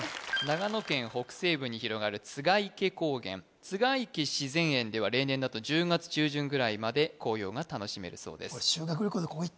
長野県北西部に広がる栂池高原栂池自然園では例年だと１０月中旬ぐらいまで紅葉が楽しめるそうです